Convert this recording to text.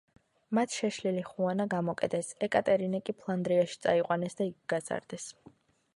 მათ შეშლილი ხუანა გამოკეტეს, ეკატერინე კი ფლანდრიაში წაიყვანეს და იქ გაზარდეს.